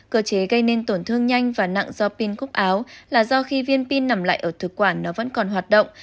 cơ chế gây nên tổn thương nhanh và nặng do pin cúc áo là do khi viên pin nằm lại ở thực quản nó vẫn còn hoạt động